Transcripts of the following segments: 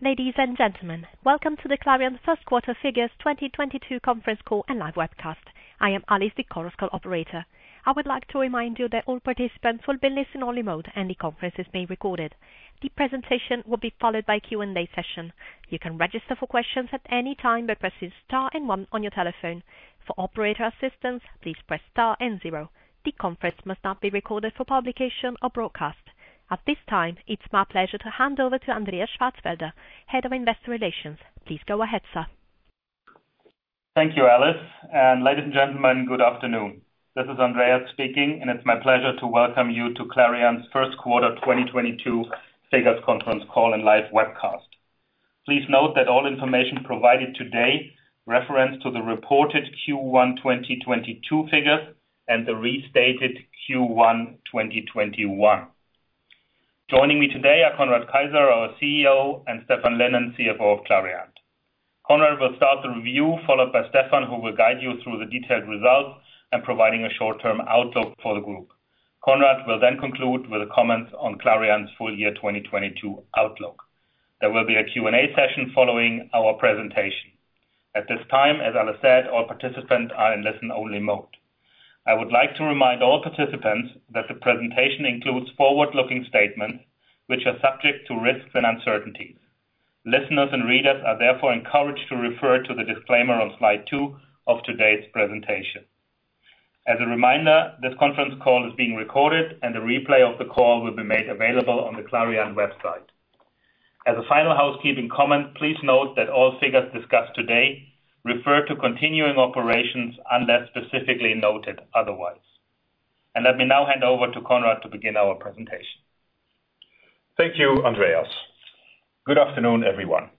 Ladies and gentlemen, welcome to the Clariant first quarter figures 2022 conference call and live webcast. I am Alice, the conference call operator. I would like to remind you that all participants will be in listen-only mode and the conference is being recorded. The presentation will be followed by a Q&A session. You can register for questions at any time by pressing star and one on your telephone. For operator assistance, please press star and zero. The conference must not be recorded for publication or broadcast. At this time, it's my pleasure to hand over to Andreas Schwarzwälder, Head of Investor Relations. Please go ahead, sir. Thank you, Alice. Ladies and gentlemen, good afternoon. This is Andreas speaking, and it's my pleasure to welcome you to Clariant's first quarter 2022 figures conference call and live webcast. Please note that all information provided today reference to the reported Q1 2022 figures and the restated Q1 2021. Joining me today are Conrad Keijzer, our CEO, and Stephan Lynen, CFO of Clariant. Conrad will start the review, followed by Stephan, who will guide you through the detailed results and providing a short-term outlook for the group. Conrad will then conclude with a comment on Clariant's full year 2022 outlook. There will be a Q&A session following our presentation. At this time, as Alice said, all participants are in listen-only mode. I would like to remind all participants that the presentation includes forward-looking statements, which are subject to risks and uncertainties. Listeners and readers are therefore encouraged to refer to the disclaimer on slide 2 of today's presentation. As a reminder, this conference call is being recorded and a replay of the call will be made available on the Clariant website. As a final housekeeping comment, please note that all figures discussed today refer to continuing operations unless specifically noted otherwise. Let me now hand over to Conrad to begin our presentation. Thank you, Andreas. Good afternoon, everyone.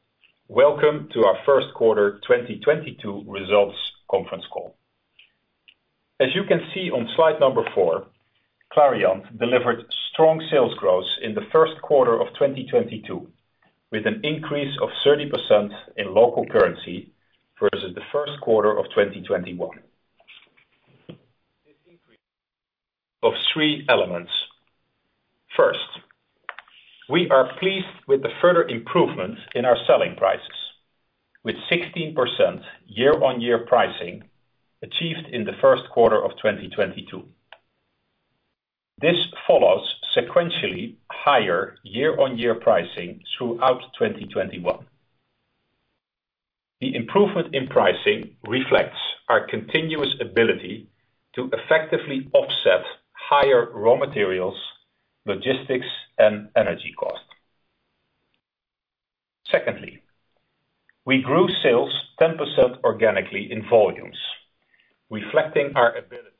Welcome to our first quarter 2022 results conference call. As you can see on slide number 4, Clariant delivered strong sales growth in the first quarter of 2022, with an increase of 30% in local currency versus the first quarter of 2021. This increase of three elements. First, we are pleased with the further improvement in our selling prices, with 16% year-on-year pricing achieved in the first quarter of 2022. This follows sequentially higher year-on-year pricing throughout 2021. The improvement in pricing reflects our continuous ability to effectively offset higher raw materials, logistics, and energy costs. Secondly, we grew sales 10% organically in volumes, reflecting our ability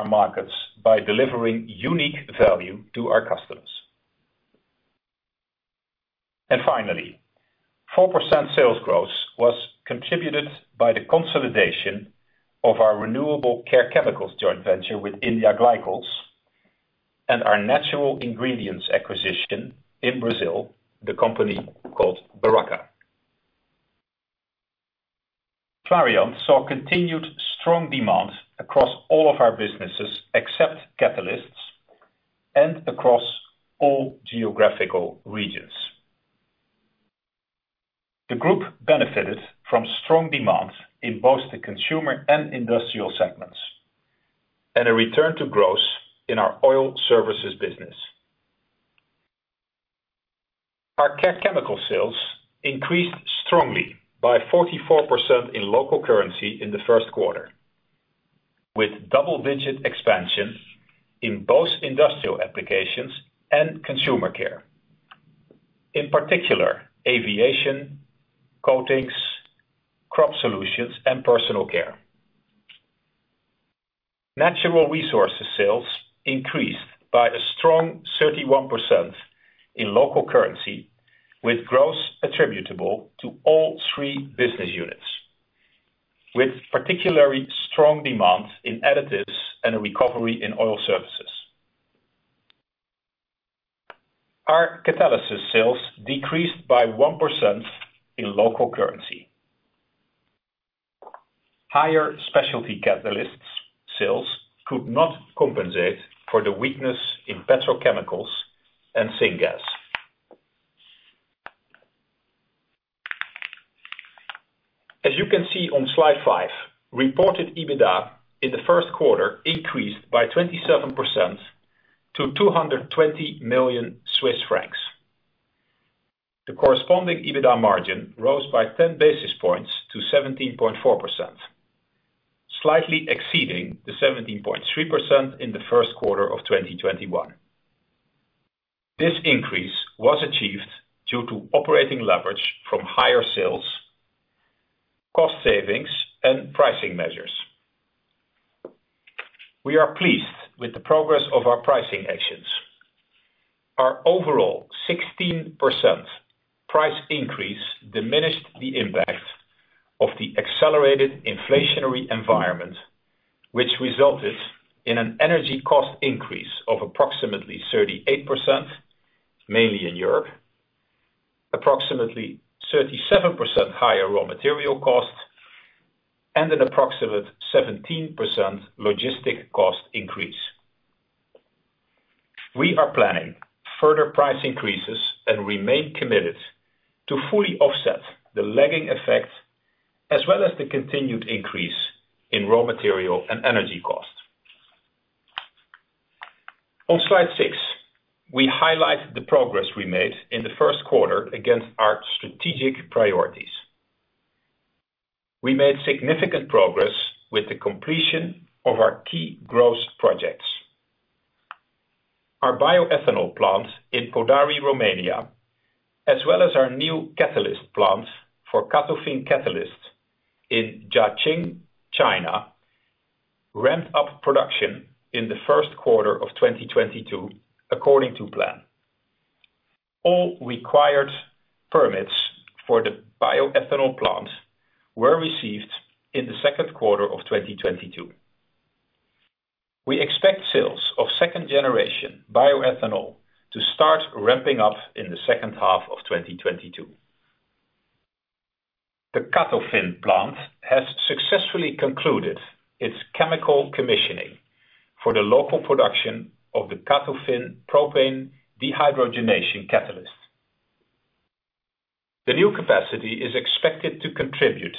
our markets by delivering unique value to our customers. Finally, 4% sales growth was contributed by the consolidation of our renewable Care Chemicals joint venture with India Glycols and our natural ingredients acquisition in Brazil, the company called Beraca. Clariant saw continued strong demand across all of our businesses except Catalysis and across all geographical regions. The group benefited from strong demand in both the consumer and industrial segments and a return to growth in our oil services business. Our Care Chemicals sales increased strongly by 44% in local currency in the first quarter, with double-digit expansion in both industrial applications and consumer care. In particular, aviation, coatings, Crop Solutions, and personal care. Natural Resources sales increased by a strong 31% in local currency, with growth attributable to all three business units, with particularly strong demand in Additives and a recovery in oil services. Our Catalysis sales decreased by 1% in local currency. Higher specialty catalysts sales could not compensate for the weakness in petrochemicals and syngas. As you can see on slide 5, reported EBITDA in the first quarter increased by 27% to 220 million Swiss francs. The corresponding EBITDA margin rose by 10 basis points to 17.4%, slightly exceeding the 17.3% in the first quarter of 2021. This increase was achieved due to operating leverage from higher sales, cost savings, and pricing measures. We are pleased with the progress of our pricing actions. Our overall 16% price increase diminished the impact of the accelerated inflationary environment, which resulted in an energy cost increase of approximately 38%, mainly in Europe, approximately 37% higher raw material costs. And an approximate 17% logistics cost increase. We are planning further price increases and remain committed to fully offset the lagging effect, as well as the continued increase in raw material and energy costs. On slide 6, we highlight the progress we made in the first quarter against our strategic priorities. We made significant progress with the completion of our key growth projects. Our bioethanol plant in Podari, Romania, as well as our new catalyst plant for Catofin catalyst in Jiaxing, China, ramped up production in the first quarter of 2022, according to plan. All required permits for the bioethanol plant were received in the second quarter of 2022. We expect sales of second generation bioethanol to start ramping up in the second half of 2022. The Catofin plant has successfully concluded its chemical commissioning for the local production of the Catofin propane dehydrogenation catalyst. The new capacity is expected to contribute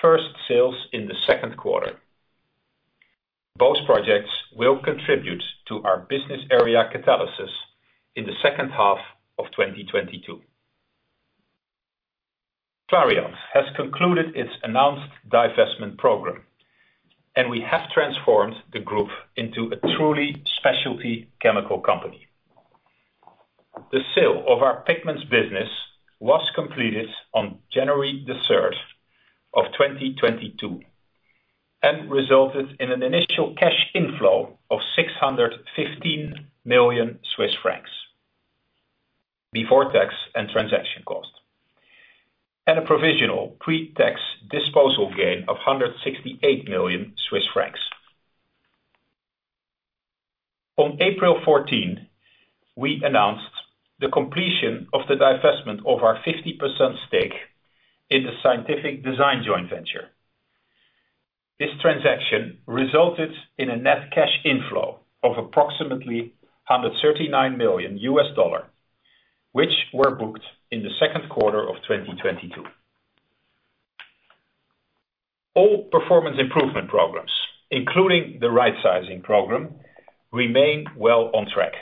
first sales in the second quarter. Both projects will contribute to our business area Catalysis in the second half of 2022. Clariant has concluded its announced divestment program, and we have transformed the group into a truly specialty chemical company. The sale of our pigments business was completed on January 3rd, 2022, and resulted in an initial cash inflow of 615 million Swiss francs before tax and transaction costs, and a provisional pre-tax disposal gain of 168 million Swiss francs. On April 14, we announced the completion of the divestment of our 50% stake in the Scientific Design Company Inc. This transaction resulted in a net cash inflow of approximately $139 million, which were booked in the second quarter of 2022. All performance improvement programs, including the rightsizing program, remain well on track.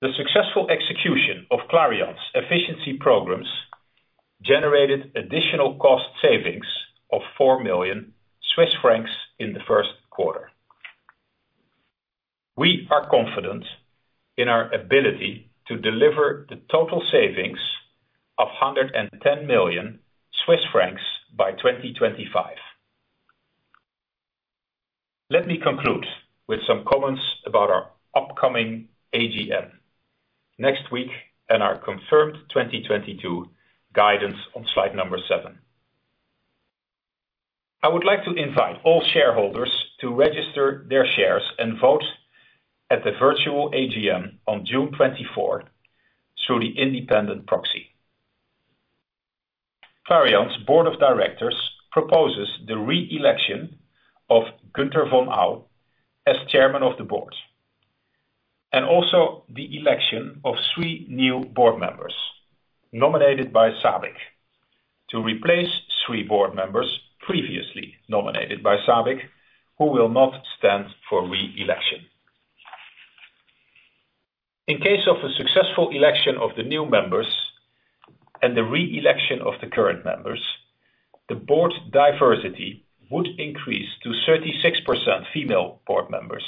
The successful execution of Clariant's efficiency programs generated additional cost savings of 4 million Swiss francs in the first quarter. We are confident in our ability to deliver the total savings of 110 million Swiss francs by 2025. Let me conclude with some comments about our upcoming AGM next week and our confirmed 2022 guidance on slide 7. I would like to invite all shareholders to register their shares and vote at the virtual AGM on June 24 through the independent proxy. Clariant's Board of Directors proposes the re-election of Günter von Au as Chairman of the Board, and also the election of three new board members nominated by SABIC to replace 3 board members previously nominated by SABIC, who will not stand for re-election. In case of a successful election of the new members and the re-election of the current members, the board diversity would increase to 36% female board members,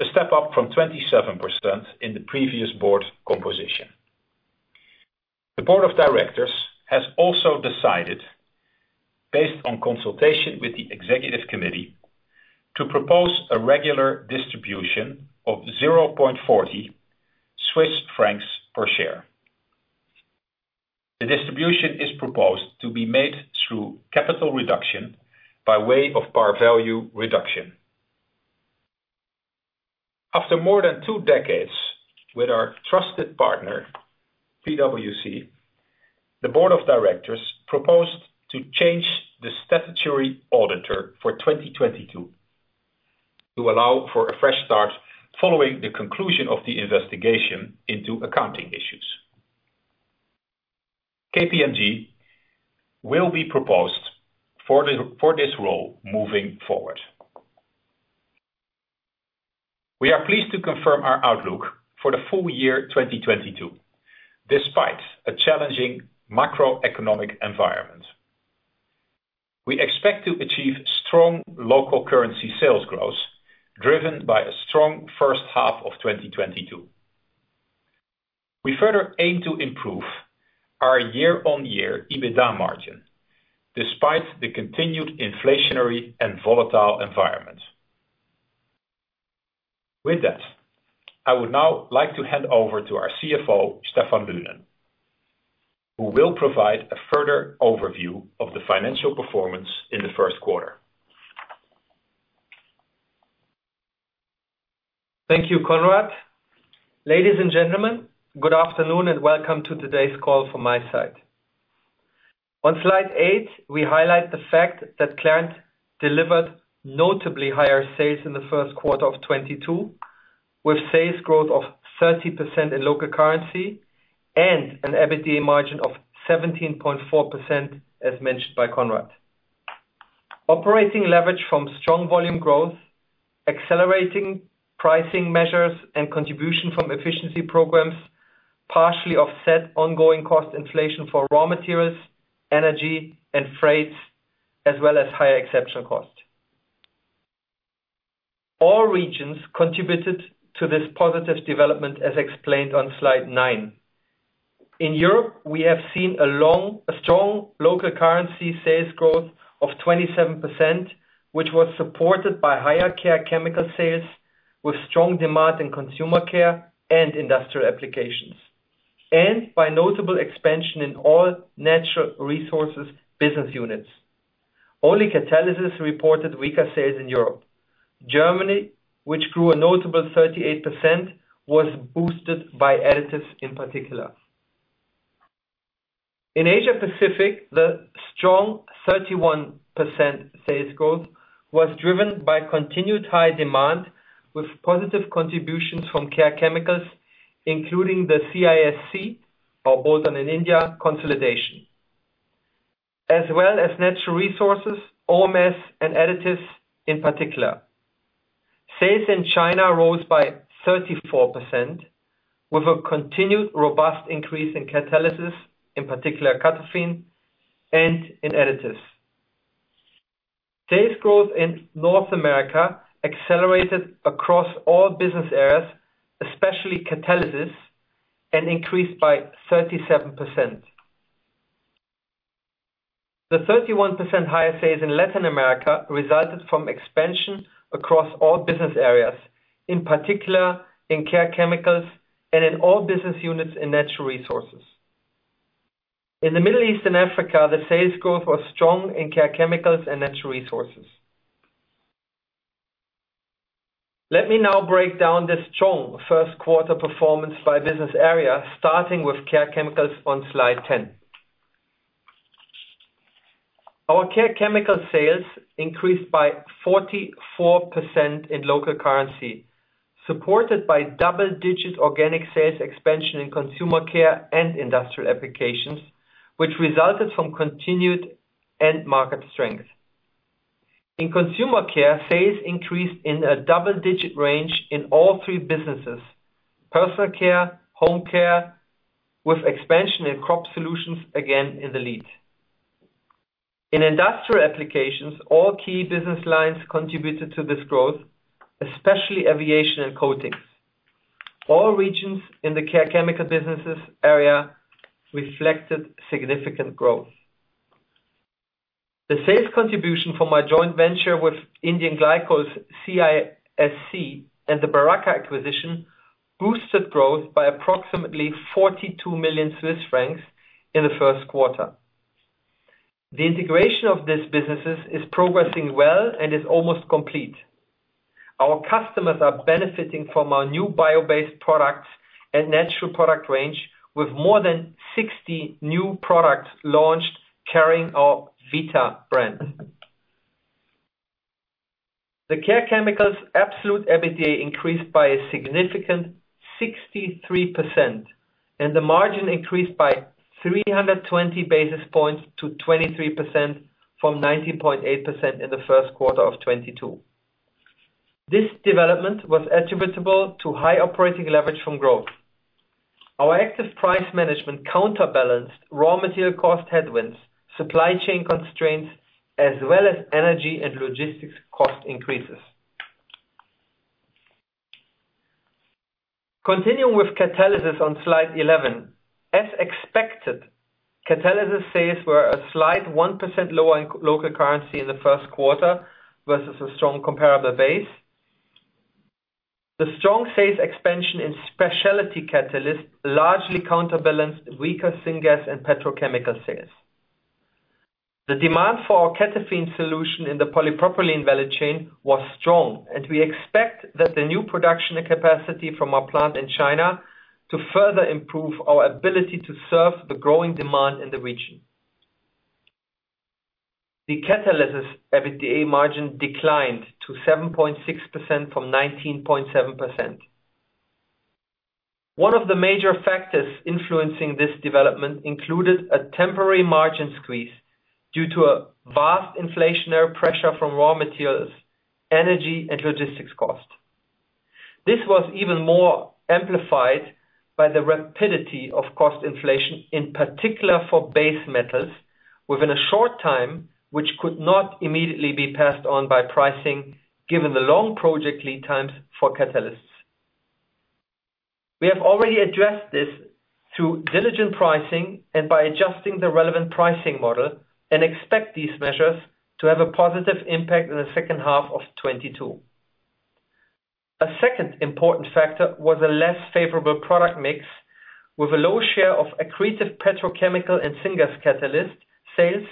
a step up from 27% in the previous board composition. The board of directors has also decided, based on consultation with the executive committee, to propose a regular distribution of 0.40 Swiss francs per share. The distribution is proposed to be made through capital reduction by way of par value reduction. After more than two decades with our trusted partner, PwC, the board of directors proposed to change the statutory auditor for 2022 to allow for a fresh start following the conclusion of the investigation into accounting issues. KPMG will be proposed for this role moving forward. We are pleased to confirm our outlook for the full year 2022, despite a challenging macroeconomic environment. We expect to achieve strong local currency sales growth, driven by a strong first half of 2022. We further aim to improve our year-on-year EBITDA margin despite the continued inflationary and volatile environment. With that, I would now like to hand over to our CFO, Stephan Lynen, who will provide a further overview of the financial performance in the first quarter. Thank you, Conrad. Ladies and gentlemen, good afternoon, and welcome to today's call from my side. On slide 8, we highlight the fact that Clariant delivered notably higher sales in the first quarter of 2022, with sales growth of 30% in local currency and an EBITDA margin of 17.4%, as mentioned by Conrad. Operating leverage from strong volume growth, accelerating pricing measures, and contribution from efficiency programs partially offset ongoing cost inflation for raw materials, energy, and freights, as well as higher exceptional costs. All regions contributed to this positive development, as explained on slide 9. In Europe, we have seen strong local currency sales growth of 27%, which was supported by higher Care Chemicals sales with strong demand in consumer care and industrial applications, and by notable expansion in all Natural Resources business units. Only Catalysis reported weaker sales in Europe. Germany, which grew a notable 38%, was boosted by Additives in particular. In Asia-Pacific, the strong 31% sales growth was driven by continued high demand with positive contributions from Care Chemicals, including the Clariant IGL, our bolt-on in India consolidation, as well as Natural Resources, OMS, and Additives in particular. Sales in China rose by 34% with a continued robust increase in Catalysis, in particular, Catofin, and in Additives. Sales growth in North America accelerated across all business areas, especially Catalysis, and increased by 37%. The 31% higher sales in Latin America resulted from expansion across all business areas, in particular in Care Chemicals and in all business units in Natural Resources. In the Middle East and Africa, the sales growth was strong in Care Chemicals and Natural Resources. Let me now break down the strong first quarter performance by business area, starting with Care Chemicals on slide 10. Our Care Chemicals sales increased by 44% in local currency, supported by double-digit organic sales expansion in consumer care and industrial applications, which resulted from continued end market strength. In consumer care, sales increased in a double-digit range in all three businesses: personal care, home care, with expansion in Crop Solutions again in the lead. In industrial applications, all key business lines contributed to this growth, especially aviation and coatings. All regions in the Care Chemicals business area reflected significant growth. The sales contribution from our joint venture with India Glycols Limited and the Beraca acquisition boosted growth by approximately 42 million Swiss francs in the first quarter. The integration of these businesses is progressing well and is almost complete. Our customers are benefiting from our new bio-based products and natural product range with more than 60 new products launched carrying our Vita brand. The Care Chemicals absolute EBITDA increased by a significant 63%, and the margin increased by 320 basis points to 23% from 19.8% in the first quarter of 2022. This development was attributable to high operating leverage from growth. Our active price management counterbalanced raw material cost headwinds, supply chain constraints, as well as energy and logistics cost increases. Continuing with Catalysis on slide 11. As expected, Catalysis sales were a slight 1% lower in local currency in the first quarter versus a strong comparable base. The strong sales expansion in specialty catalysts largely counterbalanced weaker syngas and petrochemical sales. The demand for our Catofin solution in the polypropylene value chain was strong, and we expect that the new production capacity from our plant in China to further improve our ability to serve the growing demand in the region. The Catalysis EBITDA margin declined to 7.6% from 19.7%. One of the major factors influencing this development included a temporary margin squeeze due to a vast inflationary pressure from raw materials, energy, and logistics costs. This was even more amplified by the rapidity of cost inflation, in particular for base metals within a short time, which could not immediately be passed on by pricing, given the long project lead times for catalysts. We have already addressed this through diligent pricing and by adjusting the relevant pricing model and expect these measures to have a positive impact in the second half of 2022. A second important factor was a less favorable product mix with a low share of accretive petrochemical and syngas catalyst sales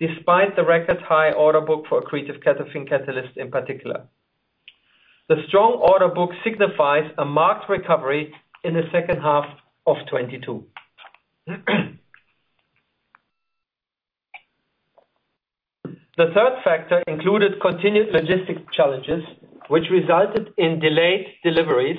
despite the record high order book for accretive CatalFining catalyst in particular. The strong order book signifies a marked recovery in the second half of 2022. The third factor included continued logistics challenges, which resulted in delayed deliveries.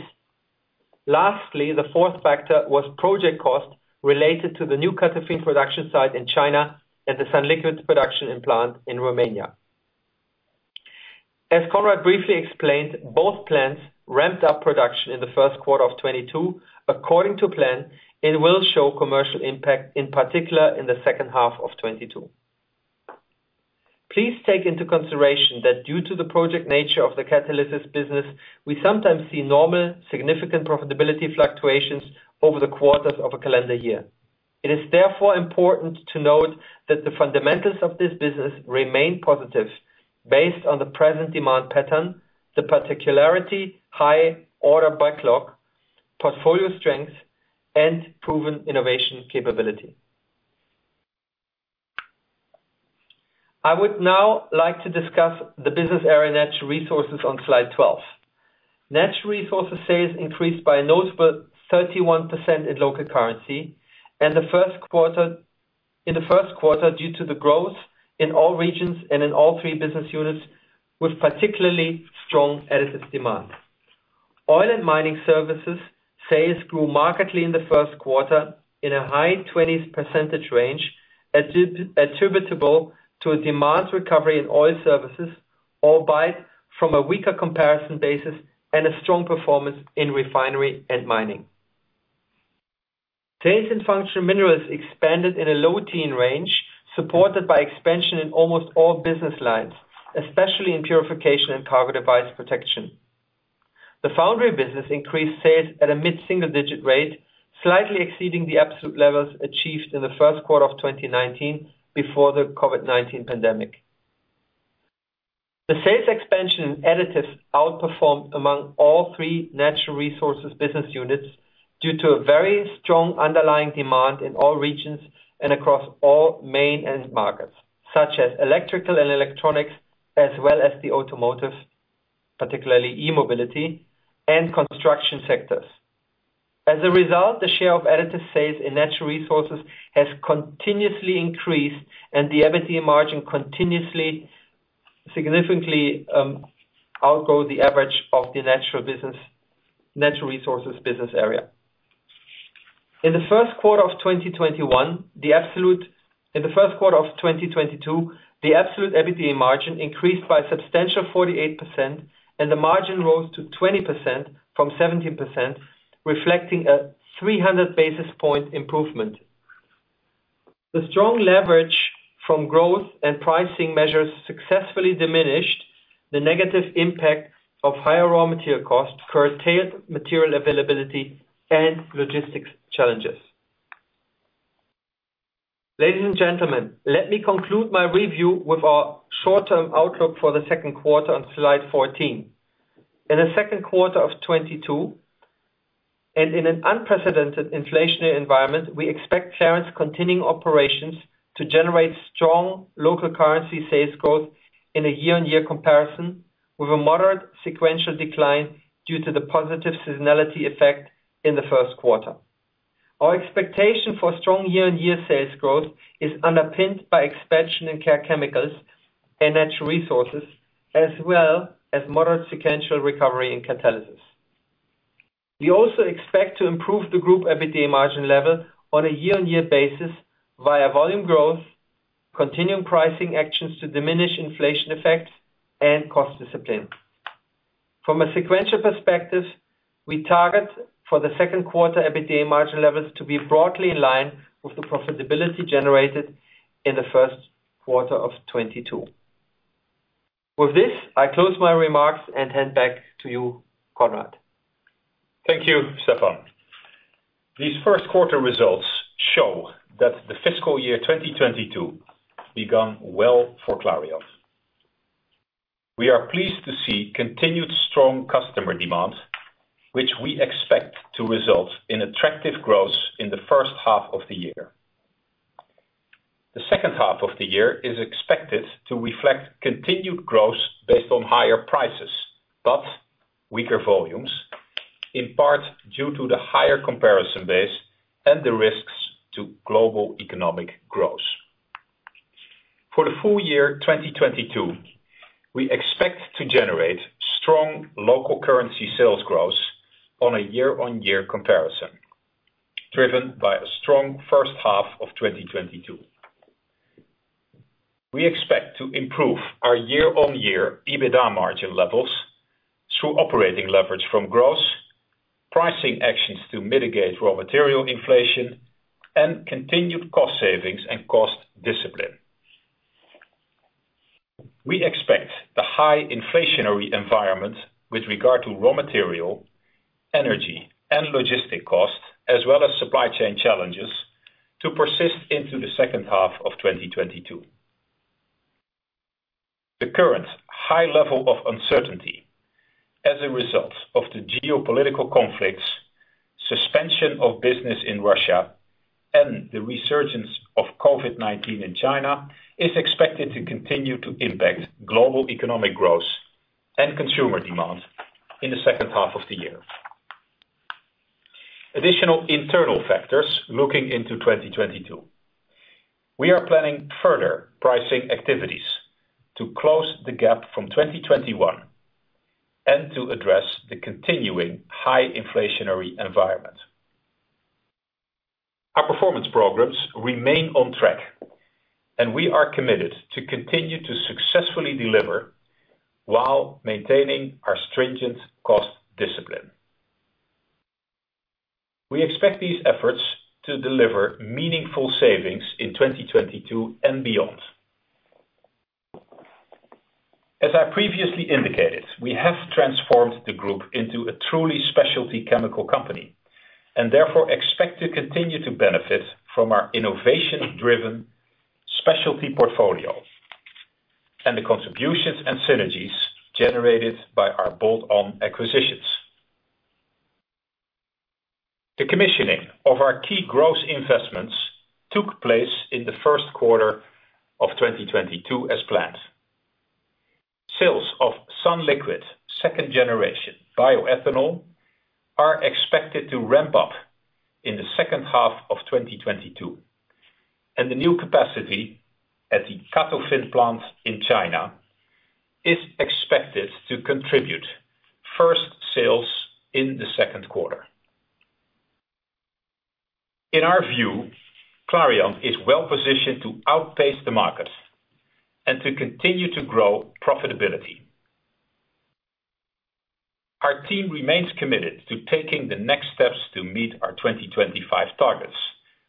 Lastly, the fourth factor was project cost related to the new CatalFining production site in China and the sunliquid production plant in Romania. As Conrad briefly explained, both plants ramped up production in the first quarter of 2022, according to plan, and will show commercial impact, in particular in the second half of 2022. Please take into consideration that due to the project nature of the catalyst business, we sometimes see normal, significant profitability fluctuations over the quarters of a calendar year. It is therefore important to note that the fundamentals of this business remain positive based on the present demand pattern, the particularly high order backlog, portfolio strength, and proven innovation capability. I would now like to discuss the business area Natural Resources on slide 12. Natural Resources sales increased by a notable 31% in local currency in the first quarter due to the growth in all regions and in all three business units, with particularly strong Additives demand. Oil and Mining Services sales grew markedly in the first quarter in a high 20s% range, attributable to a demand recovery in oil services, albeit from a weaker comparison basis and a strong performance in refinery and mining. Paints and Functional Minerals expanded in a low teens range, supported by expansion in almost all business lines, especially in purification and Cargo & Device Protection. The foundry business increased sales at a mid-single-digit rate, slightly exceeding the absolute levels achieved in the first quarter of 2019 before the COVID-19 pandemic. The sales expansion in Additives outperformed among all three Natural Resources business units due to a very strong underlying demand in all regions and across all main end markets, such as electrical and electronics, as well as the automotive, particularly e-mobility and construction sectors. As a result, the share of Additives sales in Natural Resources has continuously increased, and the EBITDA margin continuously, significantly, outgrow the average of the Natural Resources business area. In the first quarter of 2022, the absolute EBITDA margin increased by a substantial 48%, and the margin rose to 20% from 17%, reflecting a 300 basis point improvement. The strong leverage from growth and pricing measures successfully diminished the negative impact of higher raw material costs, curtailed material availability, and logistics challenges. Ladies and gentlemen, let me conclude my review with our short-term outlook for the second quarter on slide 14. In the second quarter of 2022, and in an unprecedented inflationary environment, we expect Clariant's continuing operations to generate strong local currency sales growth in a year-on-year comparison with a moderate sequential decline due to the positive seasonality effect in the first quarter. Our expectation for strong year-on-year sales growth is underpinned by expansion in Care Chemicals and Natural Resources, as well as moderate sequential recovery in Catalysis. We also expect to improve the group EBITDA margin level on a year-on-year basis via volume growth, continuing pricing actions to diminish inflation effects, and cost discipline. From a sequential perspective, we target for the second quarter EBITDA margin levels to be broadly in line with the profitability generated in the first quarter of 2022. With this, I close my remarks and hand back to you, Conrad. Thank you, Stefan. These first quarter results show that the fiscal year 2022 begun well for Clariant. We are pleased to see continued strong customer demand, which we expect to result in attractive growth in the first half of the year. The second half of the year is expected to reflect continued growth based on higher prices, but weaker volumes, in part due to the higher comparison base and the risks to global economic growth. For the full year 2022, we expect to generate strong local currency sales growth on a year-on-year comparison, driven by a strong first half of 2022. We expect to improve our year-on-year EBITDA margin levels through operating leverage from growth, pricing actions to mitigate raw material inflation, and continued cost savings and cost discipline. We expect the high inflationary environment with regard to raw material, energy, and logistic costs, as well as supply chain challenges to persist into the second half of 2022. The current high level of uncertainty as a result of the geopolitical conflicts, suspension of business in Russia and the resurgence of COVID-19 in China, is expected to continue to impact global economic growth and consumer demand in the second half of the year. Additional internal factors looking into 2022. We are planning further pricing activities to close the gap from 2021 and to address the continuing high inflationary environment. Our performance programs remain on track and we are committed to continue to successfully deliver while maintaining our stringent cost discipline. We expect these efforts to deliver meaningful savings in 2022 and beyond. As I previously indicated, we have transformed the group into a truly specialty chemical company and therefore expect to continue to benefit from our innovation driven specialty portfolio and the contributions and synergies generated by our bolt-on acquisitions. The commissioning of our key growth investments took place in the first quarter of 2022 as planned. Sales of sunliquid second generation bioethanol are expected to ramp up in the second half of 2022, and the new capacity at the Catofin plant in China is expected to contribute first sales in the second quarter. In our view, Clariant is well positioned to outpace the market and to continue to grow profitability. Our team remains committed to taking the next steps to meet our 2025 targets,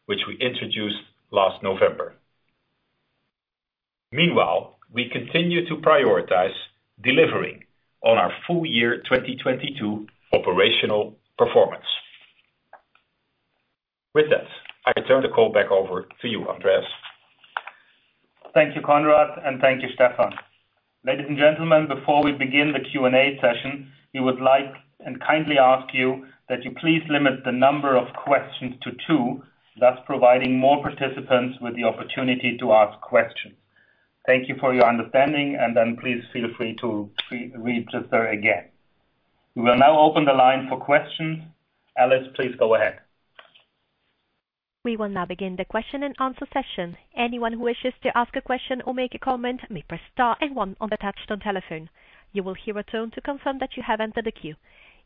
which we introduced last November. Meanwhile, we continue to prioritize delivering on our full year 2022 operational performance. With that, I return the call back over to you, Andreas. Thank you, Conrad, and thank you, Stefan. Ladies and gentlemen, before we begin the Q&A session, we would like and kindly ask you that you please limit the number of questions to two, thus providing more participants with the opportunity to ask questions. Thank you for your understanding and then please feel free to re-register again. We will now open the line for questions. Alice, please go ahead. We will now begin the question and answer session. Anyone who wishes to ask a question or make a comment may press star and one on the touch tone telephone. You will hear a tone to confirm that you have entered the queue.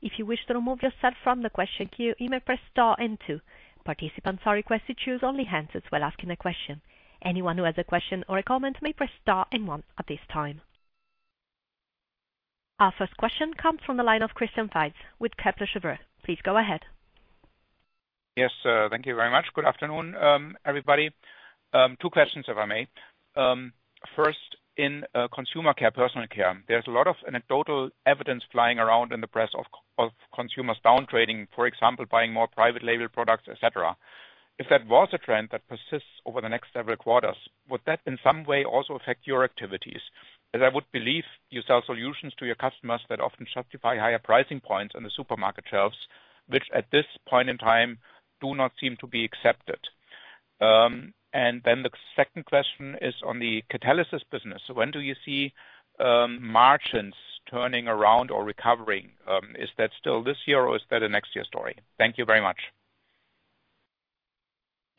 If you wish to remove yourself from the question queue, you may press star and two. Participants are requested to use only the handset while asking a question. Anyone who has a question or a comment may press star and one at this time. Our first question comes from the line of Christian Faitz with Kepler Cheuvreux. Please go ahead. Yes, thank you very much. Good afternoon, everybody. Two questions, if I may. First, in consumer care, personal care, there's a lot of anecdotal evidence flying around in the press of consumers down trading, for example, buying more private label products, et cetera. If that was a trend that persists over the next several quarters, would that in some way also affect your activities? As I would believe you sell solutions to your customers that often justify higher pricing points on the supermarket shelves, which at this point in time do not seem to be accepted. The second question is on the Catalysis business. When do you see margins turning around or recovering? Is that still this year or is that a next year story? Thank you very much.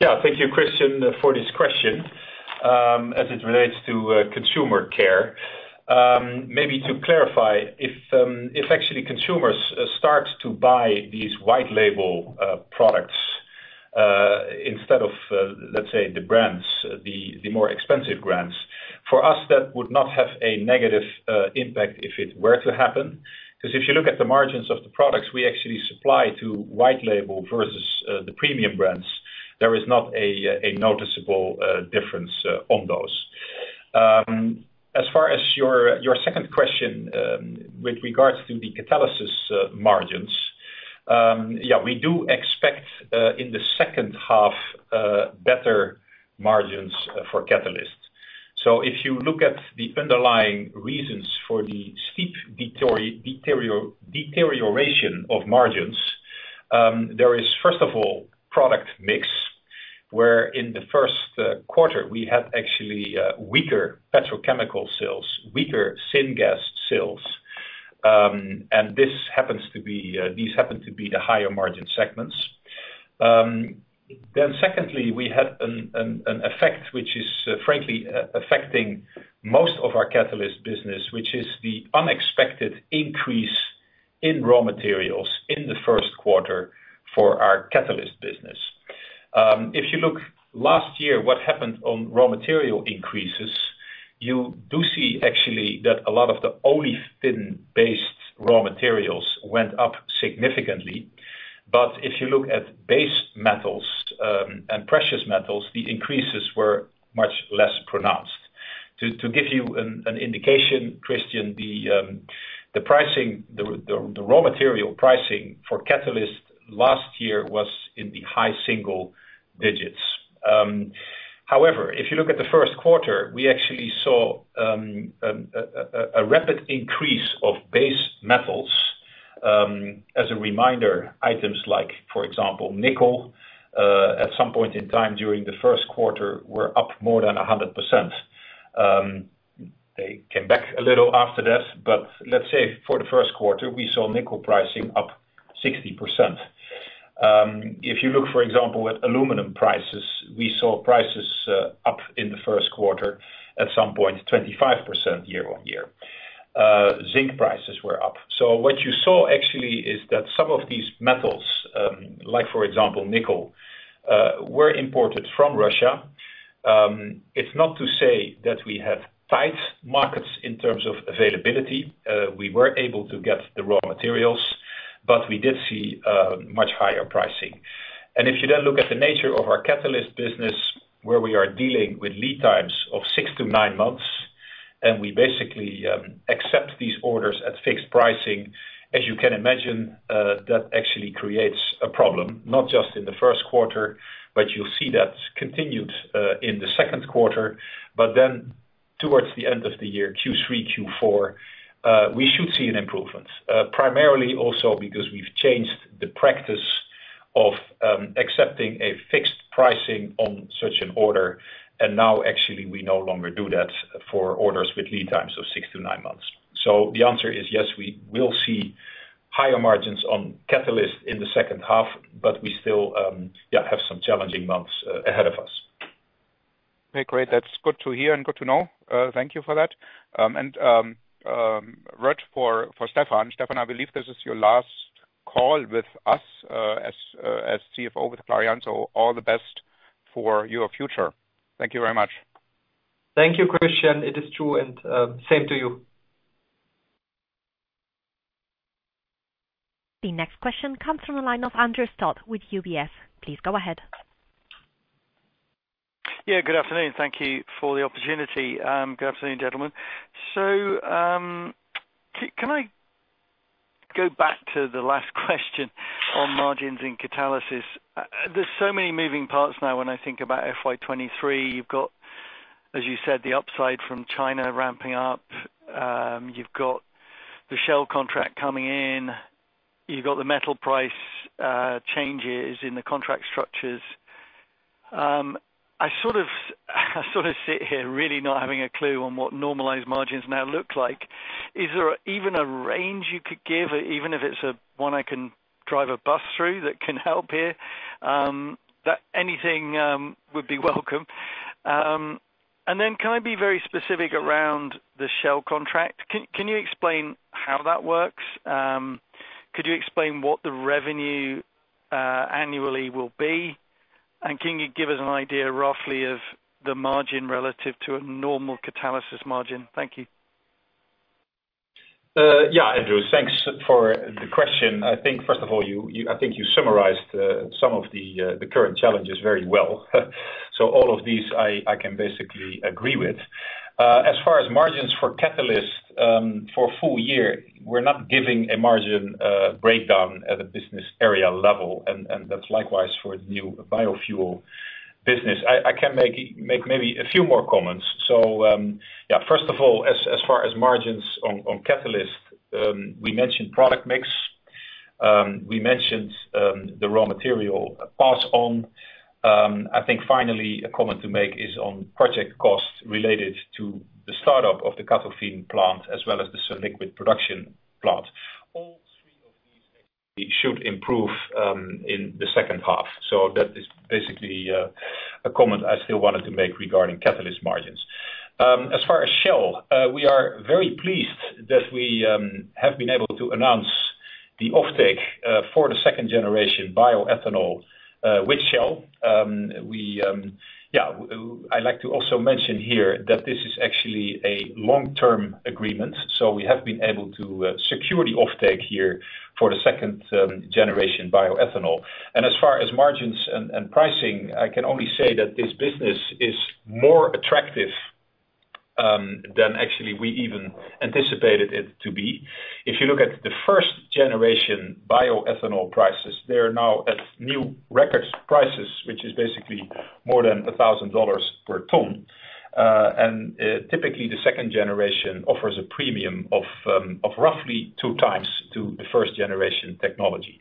Yeah, thank you, Christian, for this question. As it relates to consumer care, maybe to clarify, if actually consumers start to buy these white label products instead of let's say the brands, the more expensive brands, for us, that would not have a negative impact if it were to happen. Because if you look at the margins of the products we actually supply to white label versus the premium brands, there is not a noticeable difference on those. As far as your second question, with regards to the Catalysis margins, yeah, we do expect in the second half better margins for catalysts. If you look at the underlying reasons for the steep deterioration of margins, there is first of all product mix, where in the first quarter we had actually weaker petrochemical sales, weaker syngas sales, and these happen to be the higher margin segments. Secondly, we had an effect which is frankly affecting most of our catalyst business, which is the unexpected increase in raw materials in the first quarter for our catalyst business. If you look last year, what happened on raw material increases, you do see actually that a lot of the olefin based raw materials went up significantly. If you look at base metals and precious metals, the increases were much less pronounced. To give you an indication, Christian, the raw material pricing for catalyst last year was in the high single digits. However, if you look at the first quarter, we actually saw a rapid increase of base metals. As a reminder, items like, for example, nickel, at some point in time during the first quarter, were up more than 100%. They came back a little after that, but let's say for the first quarter, we saw nickel pricing up 60%. If you look, for example, at aluminum prices, we saw prices up in the first quarter at some point 25% year-on-year. Zinc prices were up. What you saw actually is that some of these metals, like for example, nickel, were imported from Russia. It's not to say that we have tight markets in terms of availability. We were able to get the raw materials, but we did see much higher pricing. If you then look at the nature of our catalyst business, where we are dealing with lead times of 6 months-9 months, and we basically accept these orders at fixed pricing, as you can imagine, that actually creates a problem, not just in the first quarter, but you'll see that continued in the second quarter. Towards the end of the year, Q3, Q4, we should see an improvement. Primarily also because we've changed the practice of accepting a fixed pricing on such an order. Now actually we no longer do that for orders with lead times of 6-9 months. The answer is yes, we will see higher margins on catalyst in the second half, but we still have some challenging months ahead of us. Okay, great. That's good to hear and good to know. Thank you for that. Stephan, I believe this is your last call with us as CFO with Clariant, so all the best for your future. Thank you very much. Thank you, Christian. It is true. Same to you. The next question comes from the line of Andrew Todd with UBS. Please go ahead. Yeah, good afternoon. Thank you for the opportunity. Good afternoon, gentlemen. Can I go back to the last question on margins in Catalysis? There's so many moving parts now when I think about FY23. You've got, as you said, the upside from China ramping up. You've got the Shell contract coming in. You've got the metal price changes in the contract structures. I sort of sit here really not having a clue on what normalized margins now look like. Is there even a range you could give, even if it's a one I can drive a bus through that can help here? That anything would be welcome. Can I be very specific around the Shell contract? Can you explain how that works? Could you explain what the revenue annually will be? Can you give us an idea roughly of the margin relative to a normal Catalysis margin? Thank you. Yeah, Andrew. Thanks for the question. I think first of all, you summarized some of the current challenges very well. All of these I can basically agree with. As far as margins for catalyst for full year, we're not giving a margin breakdown at a business area level, and that's likewise for the new biofuel business. I can make maybe a few more comments. First of all, as far as margins on catalyst, we mentioned product mix. We mentioned the raw material pass on. I think finally a comment to make is on project costs related to the startup of the Catofin plant as well as the sunliquid production plant. All three of these should improve in the second half. That is basically a comment I still wanted to make regarding catalyst margins. As far as Shell, we are very pleased that we have been able to announce the offtake for the second generation bioethanol with Shell. I'd like to also mention here that this is actually a long-term agreement, so we have been able to secure the offtake here for the second generation bioethanol. As far as margins and pricing, I can only say that this business is more attractive than actually we even anticipated it to be. If you look at the first generation bioethanol prices, they are now at new record prices, which is basically more than $1,000 per ton. Typically the second generation offers a premium of roughly two times to the first generation technology.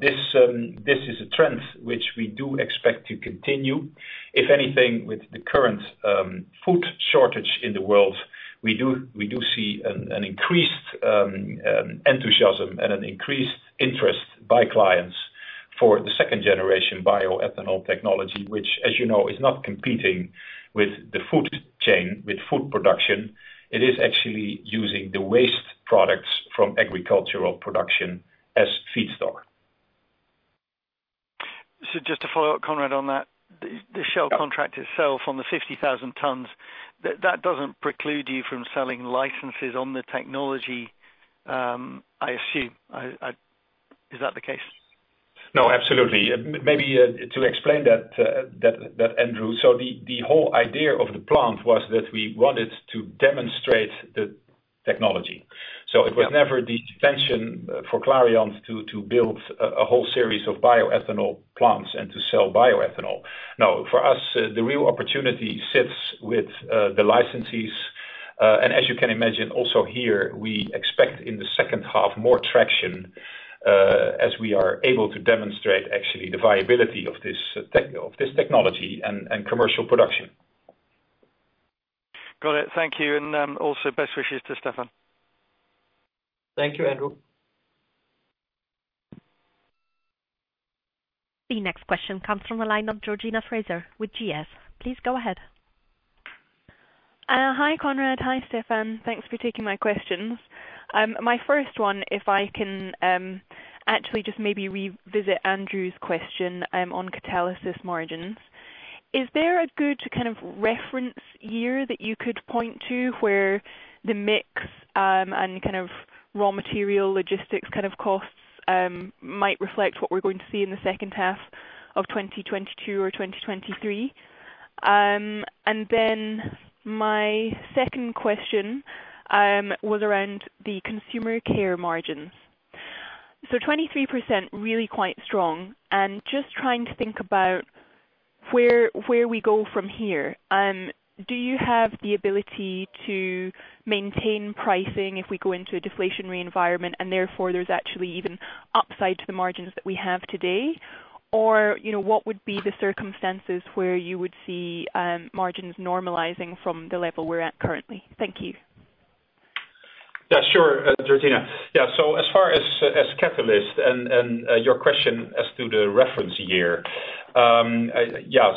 This is a trend which we do expect to continue. If anything, with the current food shortage in the world, we see an increased enthusiasm and an increased interest by clients for the second generation bioethanol technology, which as you know is not competing with the food chain, with food production. It is actually using the waste products from agricultural production as feedstock. Just to follow up, Conrad, on that. The Shell contract itself on the 50,000 tons, that doesn't preclude you from selling licenses on the technology, I assume. Is that the case? No, absolutely. Maybe to explain that, Andrew. The whole idea of the plant was that we wanted to demonstrate the technology. It was never the intention for Clariant to build a whole series of bioethanol plants and to sell bioethanol. No. For us, the real opportunity sits with the licensees, and as you can imagine, also here, we expect in the second half more traction, as we are able to demonstrate actually the viability of this technology and commercial production. Got it. Thank you. Also best wishes to Stephan. Thank you, Andrew. The next question comes from the line of Georgina Fraser with Goldman Sachs. Please go ahead. Hi Conrad, hi Stephan. Thanks for taking my questions. My first one, if I can, actually just maybe revisit Andrew's question, on Catalysis margins. Is there a good kind of reference year that you could point to where the mix, and kind of raw material logistics kind of costs, might reflect what we're going to see in the second half of 2022 or 2023? My second question was around the consumer care margins. 23% really quite strong. Just trying to think about where we go from here. Do you have the ability to maintain pricing if we go into a deflationary environment, and therefore there's actually even upside to the margins that we have today? You know, what would be the circumstances where you would see margins normalizing from the level we're at currently? Thank you. Yeah, sure, Georgina. Yeah, so as far as catalyst and your question as to the reference year, yeah.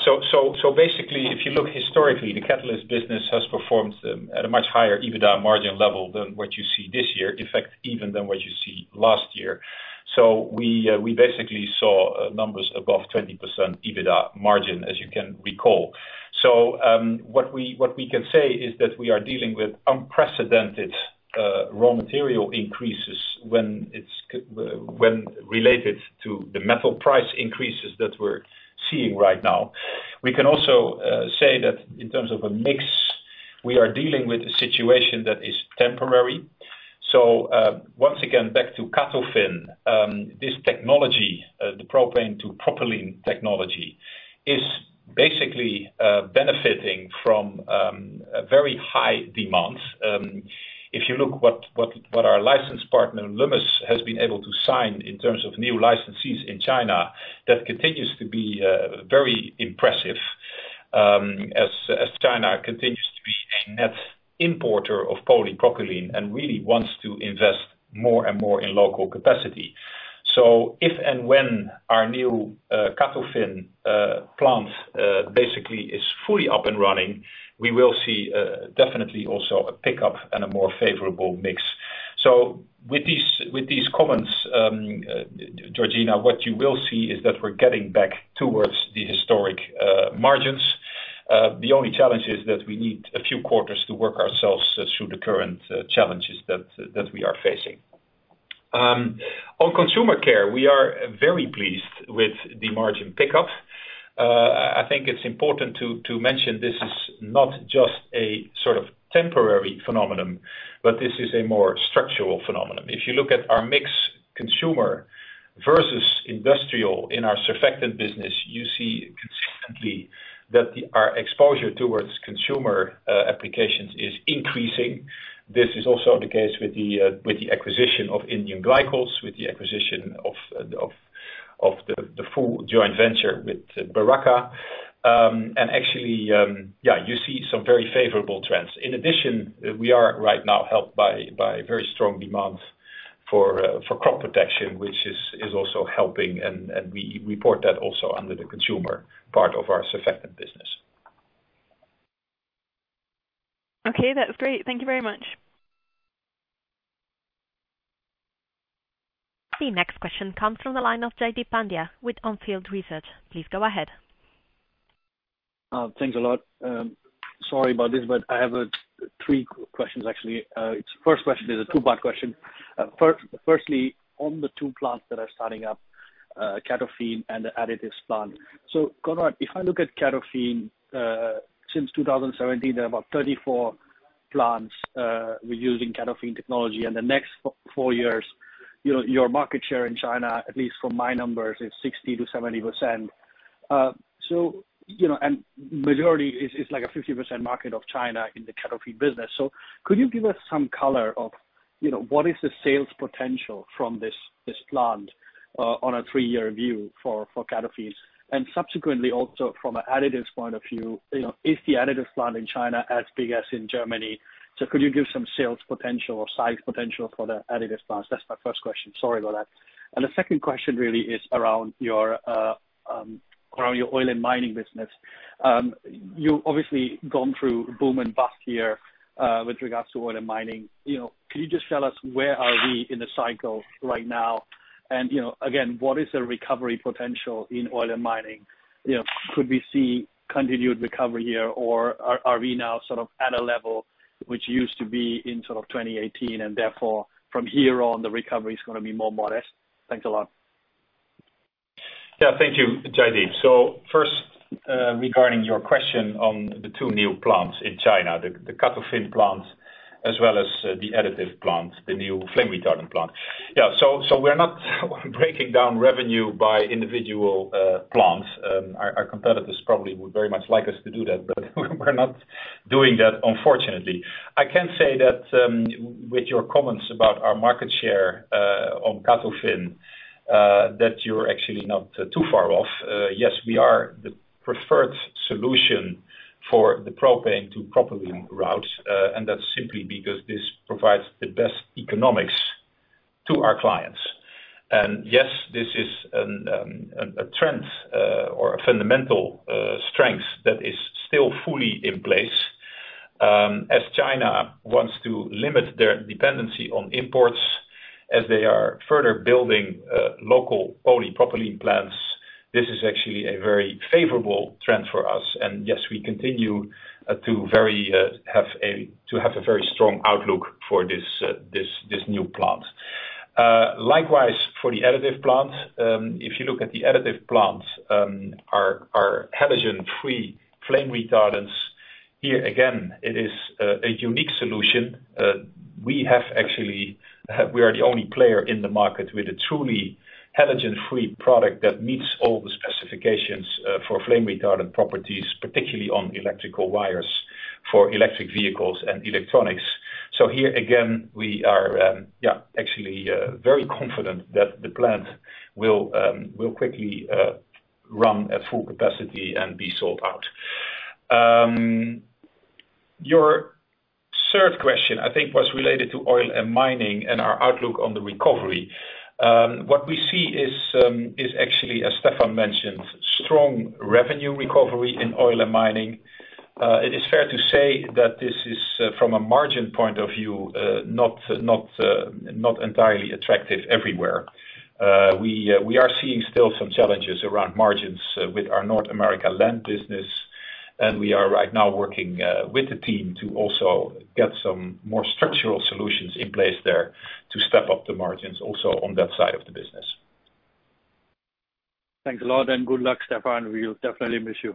Basically, if you look historically, the catalyst business has performed at a much higher EBITDA margin level than what you see this year, in fact, even than what you see last year. We basically saw numbers above 20% EBITDA margin, as you can recall. What we can say is that we are dealing with unprecedented raw material increases when related to the metal price increases that we're seeing right now. We can also say that in terms of a mix, we are dealing with a situation that is temporary. Once again, back to Catofin. This technology, the propane to propylene technology, is basically benefiting from a very high demand. If you look what our license partner Lummus has been able to sign in terms of new licensees in China, that continues to be very impressive, as China continues to be a net importer of polypropylene and really wants to invest more and more in local capacity. If and when our new Catofin plant basically is fully up and running, we will see definitely also a pickup and a more favorable mix. With these comments, Georgina, what you will see is that we're getting back towards the historic margins. The only challenge is that we need a few quarters to work ourselves through the current challenges that we are facing. On consumer care, we are very pleased with the margin pickup. I think it's important to mention this is not just a sort of temporary phenomenon, but this is a more structural phenomenon. If you look at our mix consumer versus industrial in our surfactant business, you see consistently that our exposure towards consumer applications is increasing. This is also the case with the acquisition of India Glycols, with the acquisition of the full joint venture with Beraca. Actually, you see some very favorable trends. In addition, we are right now helped by very strong demand for crop protection, which is also helping, and we report that also under the consumer part of our surfactant business. Okay, that's great. Thank you very much. The next question comes from the line of Jaideep Pandya with On Field Research. Please go ahead. Thanks a lot. Sorry about this, but I have three questions actually. My first question is a two-part question. Firstly, on the two plants that are starting up, Catofin and the Additives plant. Conrad, if I look at Catofin, since 2017, there are about 34 plants using Catofin technology. In the next four years, you know, your market share in China, at least from my numbers, is 60%-70%. So, you know, and majority is like a 50% market of China in the Catofin business. So could you give us some color of, you know, what is the sales potential from this plant, on a 3-year view for Catofin? Subsequently also from an Additives point of view, you know, is the Additives plant in China as big as in Germany? Could you give some sales potential or size potential for the Additives plant? That's my first question. Sorry about that. The second question really is around your Oil and Mining Services business. You obviously gone through boom and bust year with regards to Oil and Mining Services. You know, can you just tell us where are we in the cycle right now? You know, again, what is the recovery potential in Oil and Mining Services? You know, could we see continued recovery here, or are we now sort of at a level which used to be in sort of 2018, and therefore from here on, the recovery is gonna be more modest? Thanks a lot. Yeah, thank you, Jaideep. First, regarding your question on the two new plants in China, the Catofin plant as well as the Additives plant, the new flame retardant plant. Yeah, we're not breaking down revenue by individual plants. Our competitors probably would very much like us to do that, but we're not doing that, unfortunately. I can say that with your comments about our market share on Catofin that you're actually not too far off. Yes, we are the preferred solution for the propane to propylene route, and that's simply because this provides the best economics to our clients. Yes, this is a trend or a fundamental strength that is still fully in place. As China wants to limit their dependency on imports, as they are further building local polypropylene plants, this is actually a very favorable trend for us. Yes, we continue to have a very strong outlook for this new plant. Likewise, for the additive plant, if you look at the additive plant, our halogen-free flame retardants, here, again, it is a unique solution. We are the only player in the market with a truly halogen-free product that meets all the specifications for flame retardant properties, particularly on electrical wires for electric vehicles and electronics. Here again, we are actually very confident that the plant will quickly run at full capacity and be sold out. Your third question, I think, was related to oil and mining and our outlook on the recovery. What we see is actually, as Stephan mentioned, strong revenue recovery in oil and mining. It is fair to say that this is, from a margin point of view, not entirely attractive everywhere. We are seeing still some challenges around margins with our North America land business, and we are right now working with the team to also get some more structural solutions in place there to step up the margins also on that side of the business. Thanks a lot and good luck, Stephan. We'll definitely miss you.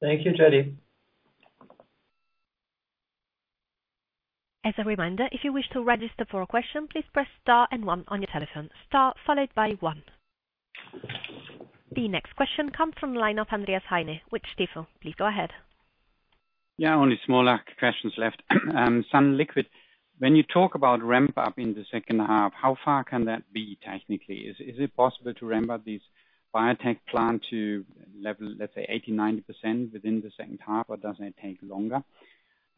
Thank you, Jaideep. As a reminder, if you wish to register for a question, please press star and one on your telephone. Star followed by one. The next question comes from the line of Andreas Heine with Stifel. Please go ahead. Yeah, only smaller questions left. sunliquid, when you talk about ramp up in the second half, how far can that be technically? Is it possible to ramp up this biotech plant to level, let's say, 80, 90% within the second half, or does it take longer?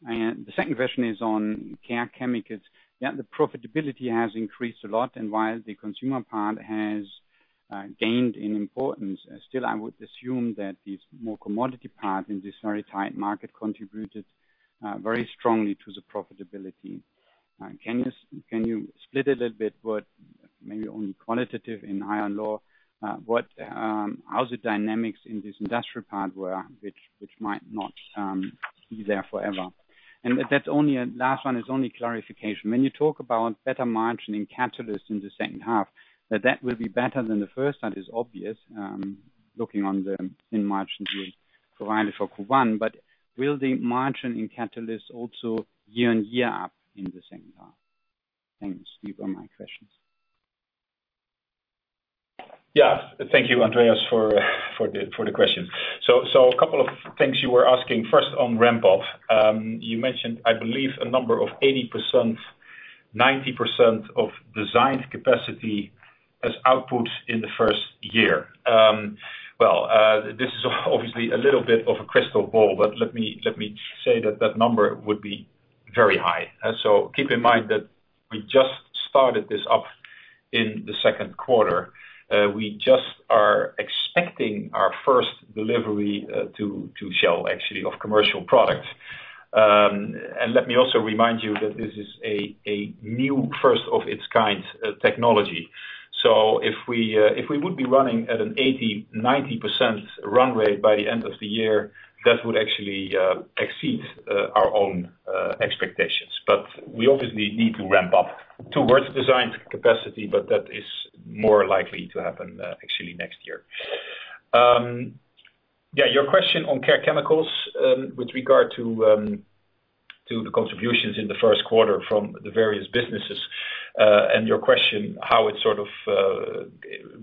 The second question is on Care Chemicals. Yeah, the profitability has increased a lot, and while the consumer part has gained in importance, still, I would assume that this more commodity part in this very tight market contributed very strongly to the profitability. Can you split a little bit what, maybe only qualitative and high and low, what, how the dynamics in this industrial part were, which might not be there forever? That's only, last one is only clarification. When you talk about better margin in Catalysis in the second half, that will be better than the first half is obvious, looking at the thin margins you provided for Q1. Will the margin in Catalysis also year-over-year up in the second half? Thanks. These are my questions. Yeah. Thank you, Andreas, for the question. A couple of things you were asking. First, on ramp up, you mentioned, I believe, a number of 80%, 90% of designed capacity as output in the first year. Well, this is obviously a little bit of a crystal ball, but let me say that that number would be very high. Keep in mind that we just started this up in the second quarter. We are expecting our first delivery to Shell actually, of commercial product. And let me also remind you that this is a new first of its kind, technology. If we would be running at an 80%-90% run rate by the end of the year, that would actually exceed our own expectations. We obviously need to ramp up towards designed capacity, but that is more likely to happen, actually next year. Yeah, your question on Care Chemicals, with regard to the contributions in the first quarter from the various businesses, and your question, how it sort of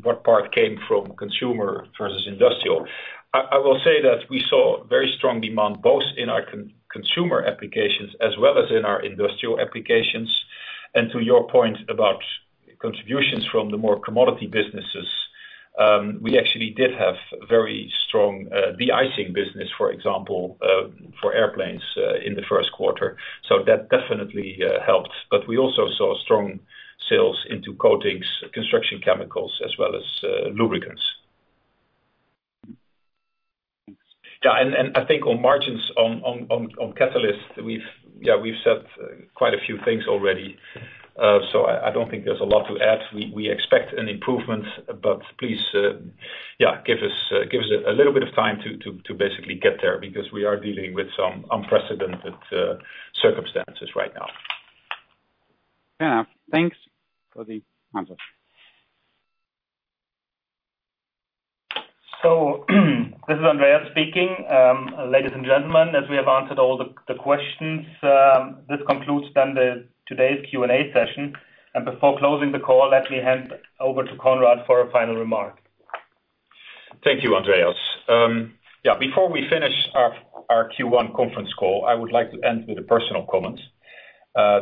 what part came from consumer versus industrial. I will say that we saw very strong demand both in our consumer applications as well as in our industrial applications. To your point about contributions from the more commodity businesses, we actually did have very strong de-icing business, for example, for airplanes, in the first quarter. That definitely helped. We also saw strong sales into coatings, construction chemicals, as well as lubricants. I think on margins on Catalysis, we've said quite a few things already. I don't think there's a lot to add. We expect an improvement, but please give us a little bit of time to basically get there because we are dealing with some unprecedented circumstances right now. Yeah. Thanks for the answer. This is Andreas speaking. Ladies and gentlemen, as we have answered all the questions, this concludes today's Q&A session. Before closing the call, let me hand over to Conrad for a final remark. Thank you, Andreas. Before we finish our Q1 conference call, I would like to end with a personal comment.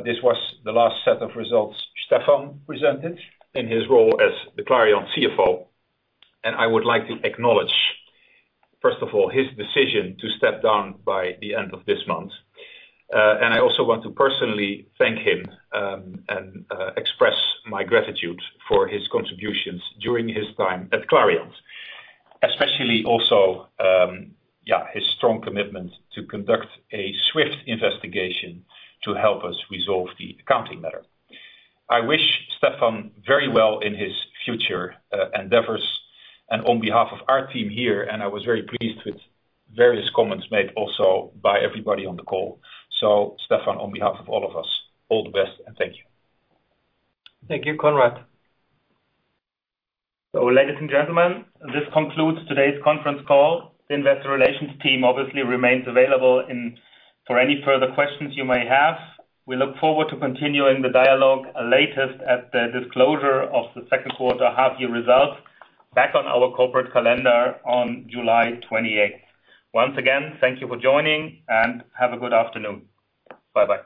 This was the last set of results Stephan presented in his role as the Clariant CFO, and I would like to acknowledge, first of all, his decision to step down by the end of this month. I also want to personally thank him and express my gratitude for his contributions during his time at Clariant. Especially also, his strong commitment to conduct a swift investigation to help us resolve the accounting matter. I wish Stephan very well in his future endeavors and on behalf of our team here, and I was very pleased with various comments made also by everybody on the call. Stephan, on behalf of all of us, all the best, and thank you. Thank you, Conrad. Ladies and gentlemen, this concludes today's conference call. The investor relations team obviously remains available for any further questions you may have. We look forward to continuing the dialogue not least at the disclosure of the second quarter half year results back on our corporate calendar on July 28th. Once again, thank you for joining, and have a good afternoon. Bye-bye.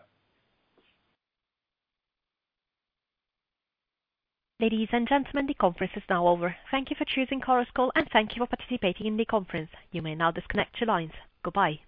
Ladies and gentlemen, the conference is now over. Thank you for choosing Chorus Call, and thank you for participating in the conference. You may now disconnect your lines. Goodbye.